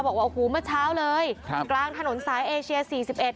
บอกว่าโอ้โหเมื่อเช้าเลยครับกลางถนนสายเอเชียสี่สิบเอ็ด